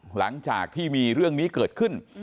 หลังจากที่มีเรื่องนี้เกิดขึ้น